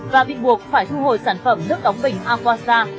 và bị buộc phải thu hồi sản phẩm nước đóng bình aquasa